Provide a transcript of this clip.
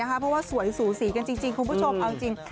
เพราะว่าสวยสูสีกันจริงคุณผู้ชมเอาจริง